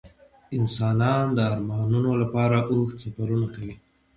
انسانان د ارمانونو لپاره اوږده سفرونه کوي.